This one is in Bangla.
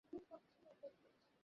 আমি মাংস কেন খাই না?